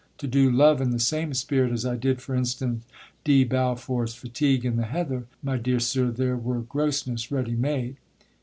To do love in the same spirit as I did (for instance) D. Balfour's fatigue in the heather; my dear sir, there were grossness ready made!